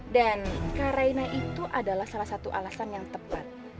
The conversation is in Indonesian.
dan kak raina itu adalah salah satu alasan yang tepat